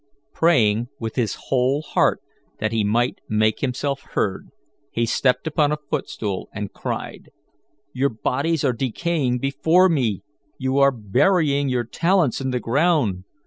Praying with his whole heart that he might make himself heard, he stepped upon a foot stool, and cried: "Your bodies are decaying before me. You are burying your talents in the ground.